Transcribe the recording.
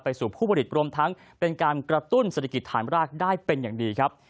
สู่ผู้ผลิตรวมทั้งเป็นการกระตุ้นเศรษฐกิจฐานรากได้เป็นอย่างดีครับ